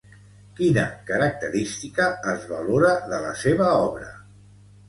Quina característica es valora de la seva obra?